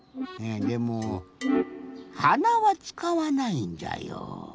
でもはなはつかわないんじゃよ。